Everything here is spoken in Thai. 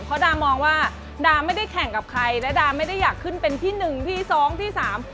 เพราะดามองว่าดาไม่ได้แข่งกับใครและดาไม่ได้อยากขึ้นเป็นที่หนึ่งที่สองที่สาม